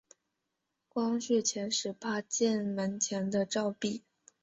光绪十八年建门前的照壁。